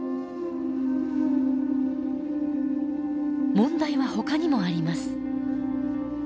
問題はほかにもあります。